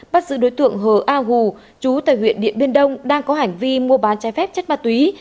bắt giữ đối tượng hờ a gù chú tại huyện điện biên đông đang có hành vi mua bán trái phép chất ma túy